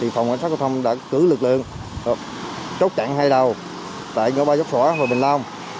phòng cảnh sát giao thông đã cử lực lượng chốt chặn hai đầu tại ngõ ba dốc phỏ và bình long